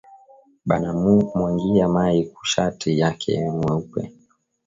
Bana mu mwangiya mayi ku shati yake ya mweupe